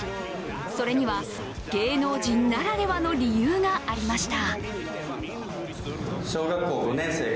それには芸能人ならではの理由がありました。